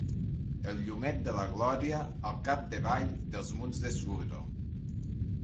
El llumet de la gloria al cap-de-vall dels munts de suro